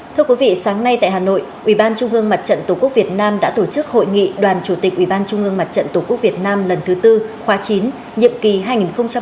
thưa quý vị sáng nay tại hà nội ủy ban trung ương mặt trận tổ quốc việt nam đã tổ chức hội nghị đoàn chủ tịch ủy ban trung ương mặt trận tổ quốc việt nam lần thứ tư khóa chín nhiệm kỳ hai nghìn một mươi chín hai nghìn hai mươi bốn